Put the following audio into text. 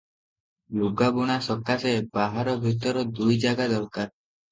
ଲୁଗାବୁଣା ସକାଶେ ବାହାର ଭିତର ଦୁଇ ଜାଗା ଦରକାର ।